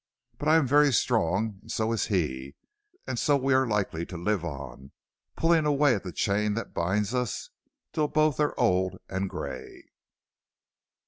But I am very strong, and so is he, and so we are likely to live on, pulling away at the chain that binds us, till both are old and gray.